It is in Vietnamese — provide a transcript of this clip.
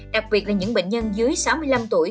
đặc biệt là những bệnh nhân dưới sáu mươi năm tuổi